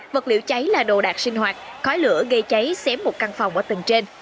vật liệu cháy là đồ đạc sinh hoạt khói lửa gây cháy xém một căn phòng ở tầng trên